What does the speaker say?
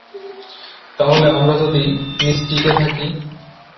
তাহলে আমরা যদি মিস্টিক এ থাকি!